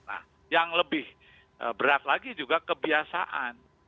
nah yang lebih berat lagi juga kebiasaan